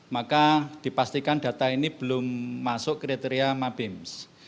maka dipastikan data ini belum masuk kriteria mabims